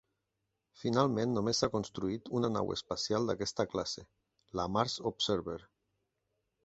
Finalment només s'ha construït una nau espacial d'aquesta classe, la "Mars Observer".